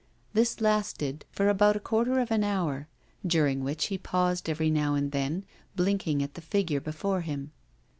This lasted for about a quarter of an hour, during which he paused every now and then, blinking at the figure before him.